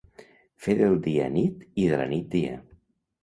Fer del dia nit i de la nit dia.